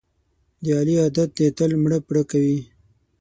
د علي عادت دی تل مړه پړه کوي.